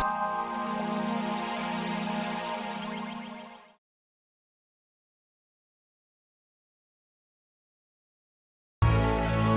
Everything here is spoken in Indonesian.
sekolah rasanya banyak sebelum ini